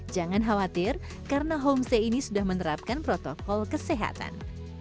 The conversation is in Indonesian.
jangan khawatir karena homestay ini sudah menerapkan protokol kesehatan